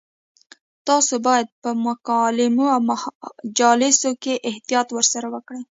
تاسو باید په مکالمو او مجالسو کې احتیاط ورسره وکړئ.